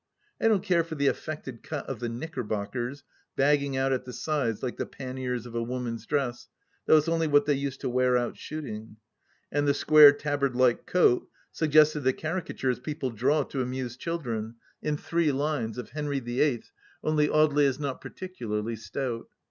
I don't care for the affected cut of the knickerbockers, bagging out at the sides like the panniers of a woman's dress, though it's only what they used to wear out shooting. And the square tabard like coat suggested the caricatures people draw to amuse children, in three lines, of THE LAST DITCH 163 Henry the Eighth, only Audely is not particularly stput.